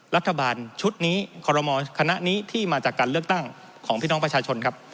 รัฐบาลชุดนี้คอรมอคณะนี้ที่มาจากการเลือกตั้งของพี่น้องประชาชนครับ